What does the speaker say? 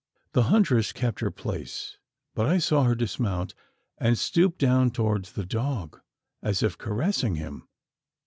The huntress kept her place; but I saw her dismount, and stoop down towards the dog, as if caressing him.